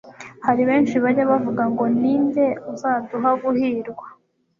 hari benshi bajya bavuga ngo ni nde uzaduha guhirwa